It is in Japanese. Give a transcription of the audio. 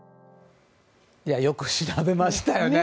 よく調べましたよね。